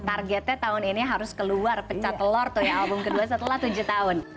targetnya tahun ini harus keluar pecah telur tuh ya album kedua setelah tujuh tahun